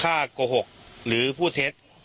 ถ้าโกหกหรือพูดเท็จ